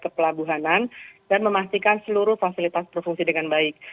ke pelabuhanan dan memastikan seluruh fasilitas berfungsi dengan baik